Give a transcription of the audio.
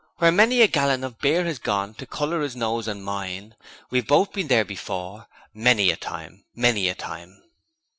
Where many a gallon of beer has gone. To colour his nose and mine, We've both been there before, Many a time, many a time!'